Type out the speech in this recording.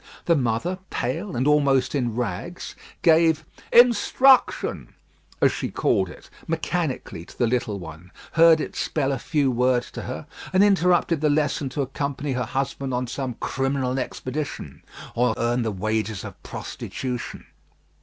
The mother, pale and almost in rags, gave "instruction," as she called it, mechanically, to the little one, heard it spell a few words to her, and interrupted the lesson to accompany her husband on some criminal expedition, or to earn the wages of prostitution.